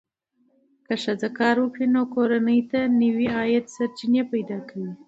که ښځه کار وکړي، نو کورنۍ ته نوې عاید سرچینې پیدا کوي.